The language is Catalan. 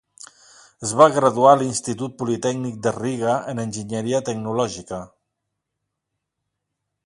Es va graduar a l'Institut Politècnic de Riga, en enginyeria tecnològica.